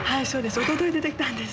おととい出てきたんです。